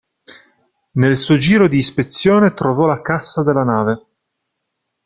Nel suo giro di ispezione trovò la cassa della nave.